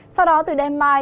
sau đó từ đêm mai